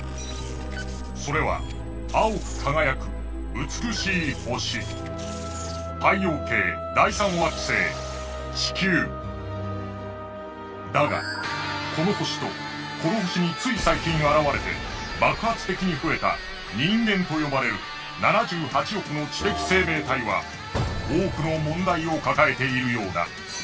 それは青く輝く美しい星だがこの星とこの星につい最近現れて爆発的に増えたニンゲンと呼ばれる７８億の知的生命体は多くの問題を抱えているようだ。